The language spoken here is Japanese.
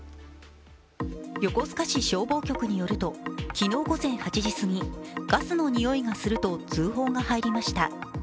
横須賀市消防局によると昨日午前８時過ぎ、ガスの臭いがすると通報が入りました。